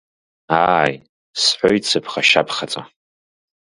Ааи, — сҳәеит сыԥхашьа-ԥхаҵо.